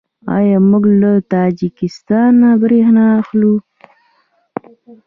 آیا موږ له تاجکستان بریښنا اخلو؟